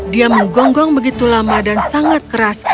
dia menggonggong begitu lama dan sangat keras